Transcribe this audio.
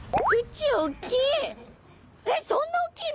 えっそんなおっきいの？